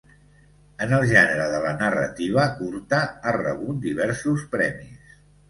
En el gènere de la narrativa curta ha rebut diversos premis.